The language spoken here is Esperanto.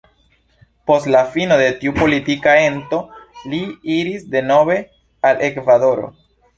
Post la fino de tiu politika ento li iris denove al Ekvadoro.